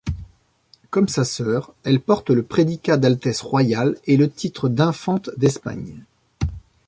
Comme sa sœur, elle porte le prédicat d'altesse royale et le titre d'infante d'Espagne.